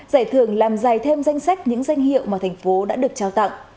giải thưởng làm dày thêm danh sách những danh hiệu mà thành phố đã được trao tặng